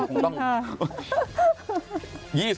ขอบคุณค่ะ